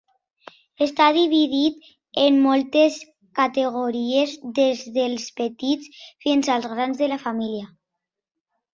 Està dividit en moltes categories des dels petits fins als grans de la família.